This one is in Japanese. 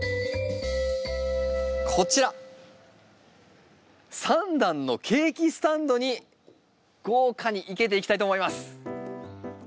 こちら３段のケーキスタンドに豪華に生けていきたいと思います。